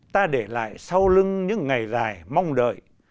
ta để lại sau lưng những ngày dài mong đợi